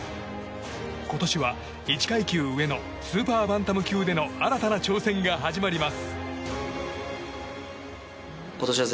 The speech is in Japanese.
今年は１階級上のスーパーバンタム級での新たな挑戦が始まります。